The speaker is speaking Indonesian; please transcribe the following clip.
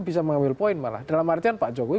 bisa mengambil poin malah dalam artian pak jokowi